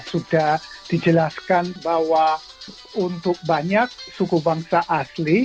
sudah dijelaskan bahwa untuk banyak suku bangsa asli